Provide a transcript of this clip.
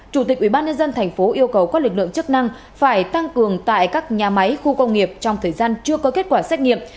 chủ tịch ubnd tp yêu cầu các lực lượng chức năng phải tăng cường tại các nhà máy khu công nghiệp trong thời gian chưa có kết quả xét nghiệm